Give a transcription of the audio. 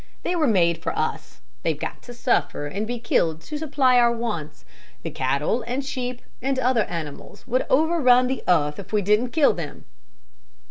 They were made for us. They've got to suffer and be killed to supply our wants. The cattle and sheep, and other animals would over run the earth, if we didn't kill them."